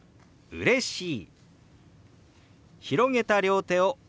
「うれしい」。